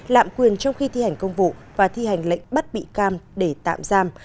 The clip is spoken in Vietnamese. lạm quyền trong khi thi hành công vụ và thi hành lệnh bắt bị can để tạm giam